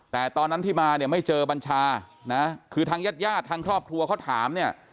แต่ตอนนั้นที่มาเนี่ยไม่เจอบัญชานะคือทางญาติญาติทางครอบครัวเขาถามเนี่ย